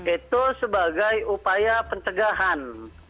itu sebagai upaya pencegahan